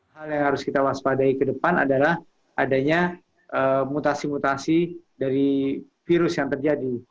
hal yang harus kita waspadai ke depan adalah adanya mutasi mutasi dari virus yang terjadi